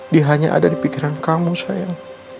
dia hanya ada di pikiran kamu sayang